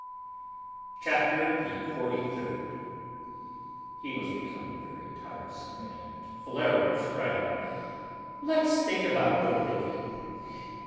CHAPTER THE FORTY THIRD. He was becoming very tiresome, and Phileros cried out, "Let's think about the living!